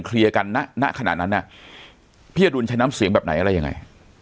เคลียร์กันณขณะนั้นน่ะพี่อดุลใช้น้ำเสียงแบบไหนอะไรยังไง